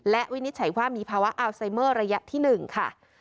และวินิจฉัยว่ามีภาวะอัลไซเมอร์ระยะที่๑ค่ะ